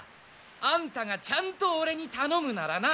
あんたがちゃんと俺に頼むならな。